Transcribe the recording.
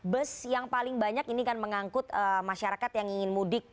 bus yang paling banyak ini kan mengangkut masyarakat yang ingin mudik